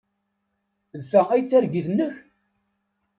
D ta ay d targit-nnek?